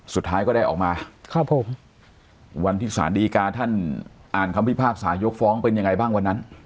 สุดท้ายก็ได้ออกมาครับผมวันที่สารดีกาท่านอ่านคำพิพากษายกฟ้องเป็นยังไงบ้างวันนั้น